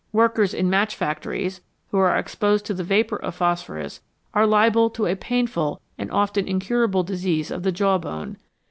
Workers in match factories, who are exposed to the vapour of phosphorus, are liable to a painful and often incurable disease of the jaw bone.